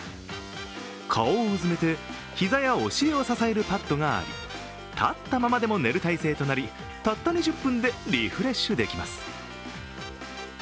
顔を埋めて膝やお尻を支えるパットがあり立ったままでも寝る態勢となりたった２０分でリフレッシュできます。